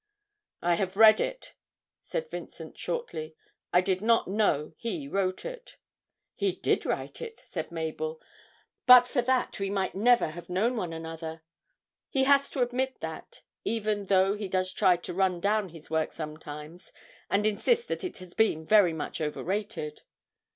"' 'I have read it,' said Vincent shortly. 'I did not know he wrote it.' 'He did write it,' said Mabel. 'But for that we might never have known one another. He has to admit that, even though he does try to run down his work sometimes, and insist that it has been very much overrated!'